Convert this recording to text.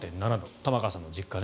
玉川さんの実家ね。